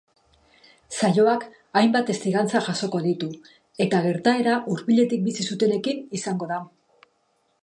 Saioak hainbat testigantza jasoko ditu eta gertaera hurbiletik bizi zutenekin izango da.